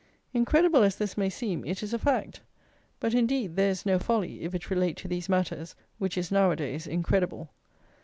Incredible as this may seem, it is a fact. But, indeed, there is no folly, if it relate to these matters, which is, now a days, incredible.